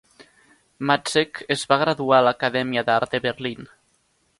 Matzek es va graduar a l'Acadèmia d'art de Berlín.